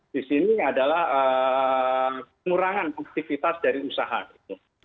di sini adalah penurangan aktivitas dari usaha itu